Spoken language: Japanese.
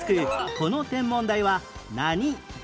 この天文台は何ドーム？